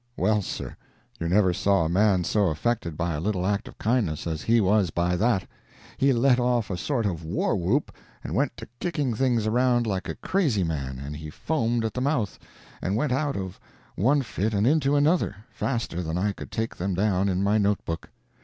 Well, sir, you never saw a man so affected by a little act of kindness as he was by that. He let off a sort of war whoop, and went to kicking things around like a crazy man, and he foamed at the mouth, and went out of one fit and into another faster than I could take them down in my note book.